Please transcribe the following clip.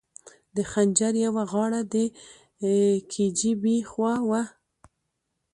د خنجر یوه غاړه د کي جي بي خوا وه.